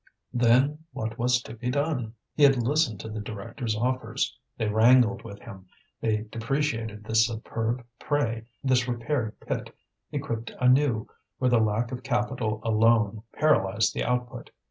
Then what was to be done? He had listened to the directors' offers. They wrangled with him, they depreciated this superb prey, this repaired pit, equipped anew, where the lack of capital alone paralysed the output.